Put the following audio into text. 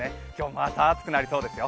また暑くなりそうですよ。